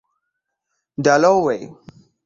Dalloway.